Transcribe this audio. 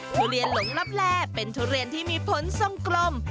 ทุเรียนหลงลับแลเป็นทุเรียนที่มีผลทรงกลม